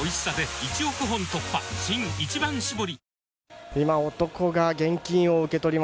新「一番搾り」